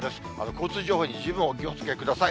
交通情報に十分お気をつけください。